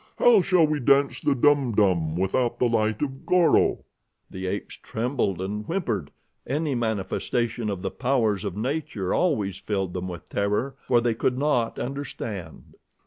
How shall we dance the Dum Dum without the light of Goro?" The apes trembled and whimpered. Any manifestation of the powers of nature always filled them with terror, for they could not understand.